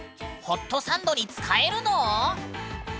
ホットサンドに使えるの？